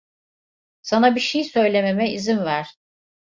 Sana bir şey söylememe izin ver.